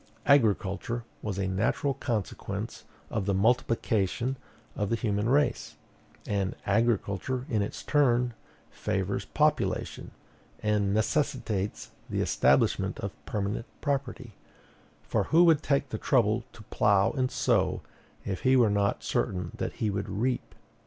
"Agriculture was a natural consequence of the multiplication of the human race, and agriculture, in its turn, favors population, and necessitates the establishment of permanent property; for who would take the trouble to plough and sow, if he were not certain that he would reap?"